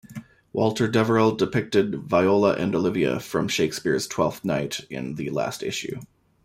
Walter Deverell depicted "Viola and Olivia" from Shakespeare's "Twelfth Night" in the last issue.